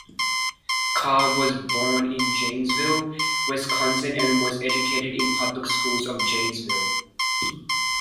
Carr was born in Janesville, Wisconsin and was educated in public schools of Janesville.